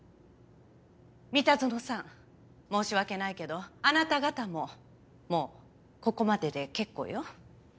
三田園さん申し訳ないけどあなた方ももうここまでで結構よ。